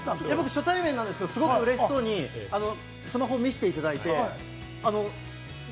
初対面なんですけど、うれしそうにスマホを見せていただきました。